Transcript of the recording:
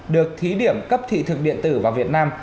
được thí điểm cấp thị thực điện tử vào việt nam